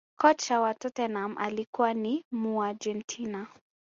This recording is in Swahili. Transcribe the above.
kocha wa tottenham alikuwa ni muargentina